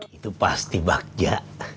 itu pasti bakja